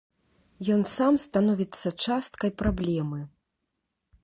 Ён сам становіцца часткай праблемы.